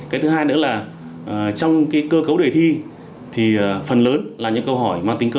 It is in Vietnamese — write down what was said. cái thứ hai nữa là trong cơ cấu đề thi thì phần lớn là những câu hỏi mang tính cơ